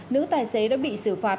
nữ tài xế đã bị xử phạt